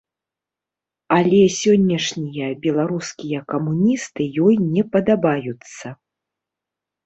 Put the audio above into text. Але сённяшнія беларускія камуністы ёй не падабаюцца.